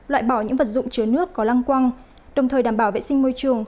loại bỏ những vật dụng chứa nước có lăng quăng đồng thời đảm bảo vệ sinh môi trường